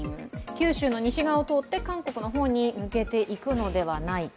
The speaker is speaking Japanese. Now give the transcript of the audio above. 九州の西側を通って韓国の方に抜けていくのではないか。